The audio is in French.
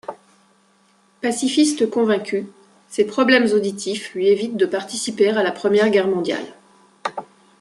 Pacifiste convaincu, ses problèmes auditifs lui évitent de participer à la Première Guerre mondiale.